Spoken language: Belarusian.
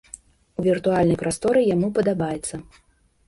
У віртуальнай прасторы яму падабаецца.